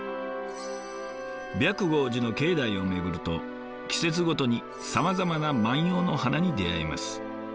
白毫寺の境内を巡ると季節ごとにさまざまな万葉の花に出会えます。